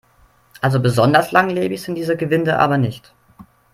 Also besonders langlebig sind diese Gewinde aber nicht.